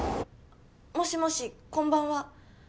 もしもしこんばんは。